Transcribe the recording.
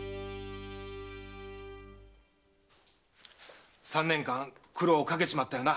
三年間苦労をかけちまったよな。